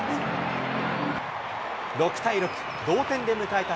６対６、同点で迎えた